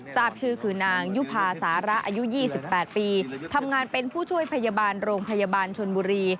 ทราบชื่อคือนางยุภาสาระอายุ๒๘ปีทำงานเป็นผู้ช่วยพยาบาลโรงพยาบาลชนบุรี